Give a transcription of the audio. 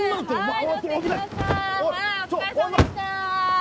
はいお疲れさまでした。